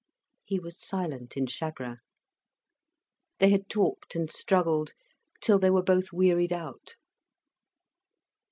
He was silent in chagrin. They had talked and struggled till they were both wearied out.